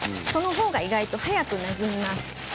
そのほうが意外と早くなじみます。